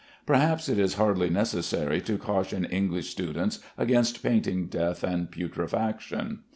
Perhaps it is hardly necessary to caution English students against painting death and putrefaction.